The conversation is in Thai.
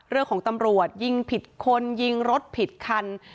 เรื่องของตำรวจยิ่งผิดคนยิ่งรถผิดคัน